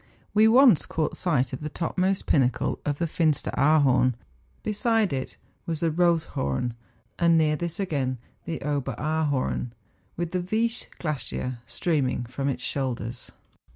We once caught a sight of the topmost pinnacle of the Finsteraarhorn; beside it was the Rothhorn, and near this again the Oberaarhorn, with the Viesch THE FINSTERAARHORN. 35 glacier streaming from its shoulders.